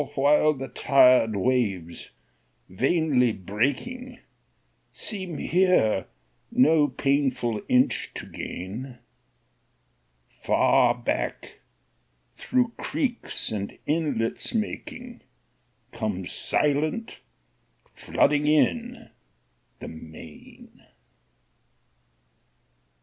For while the tired waves, vainly breaking, Seem here no painful inch to gain, Far back, through creeks and inlets making, Comes silent, flooding in, the main.